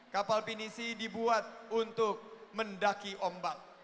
kapal pinisi dibuat untuk mendaki ombak